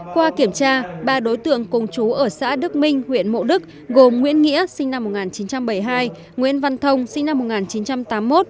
qua kiểm tra ba đối tượng cùng chú ở xã đức minh huyện mộ đức gồm nguyễn nghĩa sinh năm một nghìn chín trăm bảy mươi hai nguyễn văn thông sinh năm một nghìn chín trăm tám mươi một